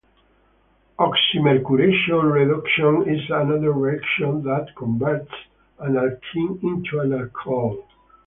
Oxymercuration-reduction is another reaction that converts an alkene into an alcohol.